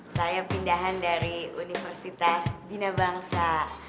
saya pindahan dari universitas bina bangsa